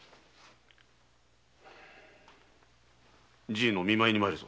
じいの見舞いに参るぞ。